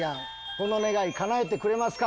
この願い叶えてくれますか？